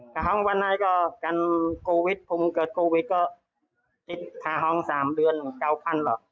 ค่าห้องวันไหนก็กันโกวิทธิ์ภูมิเกิดโกวิทธิ์ก็จิตค่าห้องสามเดือนเก้าพันหรอก